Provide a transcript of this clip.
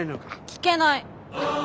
聞けない。